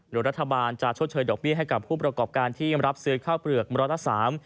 โดยรัฐบาลจะชดเชยดอกเบี้ยให้กับผู้ประกอบการที่รับซื้อข้าวเปลือกร้อยละสาม